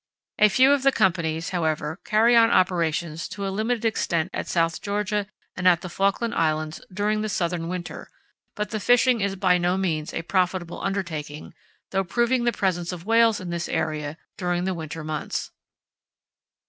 A few of the companies, however, carry on operations to a limited extent at South Georgia and at the Falkland islands during the southern winter, but the fishing is by no means a profitable undertaking, though proving the presence of whales in this area during the winter months.